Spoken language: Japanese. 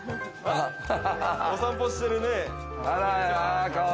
お散歩してるね。